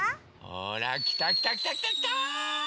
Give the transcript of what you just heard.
ほらきたきたきたきたきた！